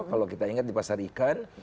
kalau kita ingat di pasar ikan